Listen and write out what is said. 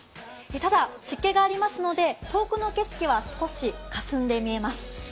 ただ、湿気がありますので、遠くの景色は少し霞んで見えます。